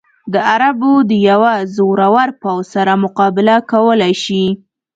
د عربو د یوه زورور پوځ سره مقابله کولای شي.